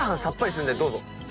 さっぱりするんでどうぞ。